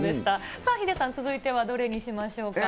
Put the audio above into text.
さあヒデさん、続いてはどれにしましょうか。